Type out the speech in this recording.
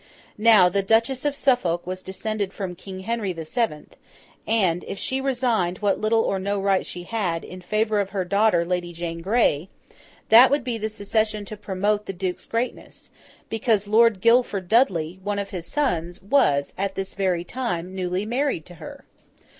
Now, the Duchess of Suffolk was descended from King Henry the Seventh; and, if she resigned what little or no right she had, in favour of her daughter Lady Jane Grey, that would be the succession to promote the Duke's greatness; because Lord Guilford Dudley, one of his sons, was, at this very time, newly married to her.